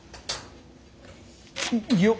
よっ。